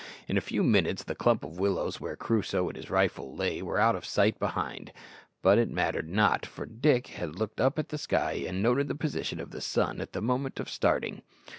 In a few minutes the clump of willows where Crusoe and his rifle lay were out of sight behind; but it mattered not, for Dick had looked up at the sky and noted the position of the sun at the moment of starting.